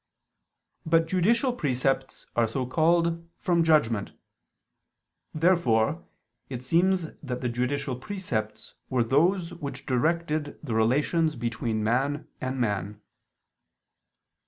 But judicial precepts are so called from "judgment." Therefore it seems that the judicial precepts were those which directed the relations between man and man.